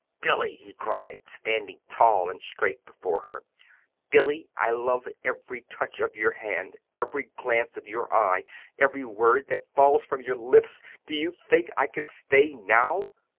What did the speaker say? "Billy," he cried, standing tall and straight before her, "Billy, I love every touch of your hand, every glance of your eye, every word that falls from your lips. Do you think I can stay now?